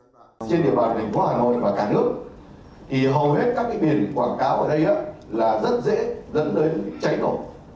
trên địa bàn thành phố hà nội và cả nước thì hầu hết các biển quảng cáo ở đây là rất dễ dẫn đến chạy tổ